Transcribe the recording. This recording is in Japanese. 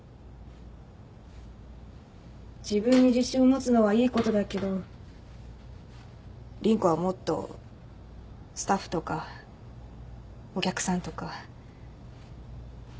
自分に自信を持つのはいいことだけど凛子はもっとスタッフとかお客さんとか周りを見ないと。